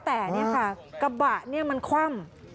แต่กระบะนี้มันคว่ำ